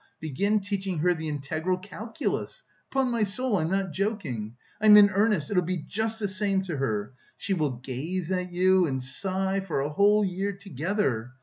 begin teaching her the integral calculus; upon my soul, I'm not joking, I'm in earnest, it'll be just the same to her. She will gaze at you and sigh for a whole year together.